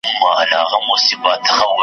مالداري د کرنې برخه ده.